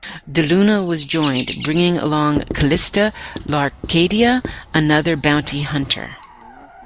DeLuna also joined, bringing along Callista Larkadia, another bounty hunter.